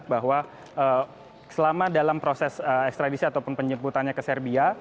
bahwa selama dalam proses ekstradisi ataupun penjemputannya ke serbia